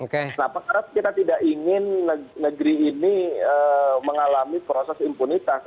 kenapa karena kita tidak ingin negeri ini mengalami proses impunitas